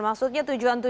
maksudnya tujuan tukar